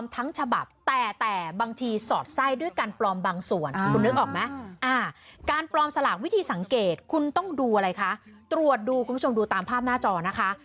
ตรวจดูคุณผู้ชมดูตามภาพหน้าจอนะคะ